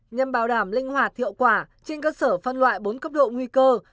nhằm bảo đảm linh hoạt hiệu quả trên cơ sở phân loại bốn cấp độ nguy cơ